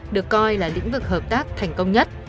được coi là lĩnh vực hợp tác thành công nhất